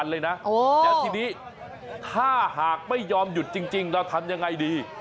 แล้วทีนี้ถ้าหากไม่ยอมหยุดจริงเราทำยังไงดี